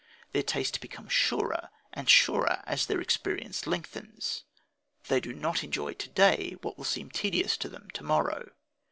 Their taste becomes surer and surer as their experience lengthens. They do not enjoy to day what will seem tedious to them to morrow.